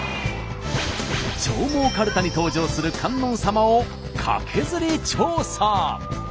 上毛かるたに登場する観音様をカケズリ調査！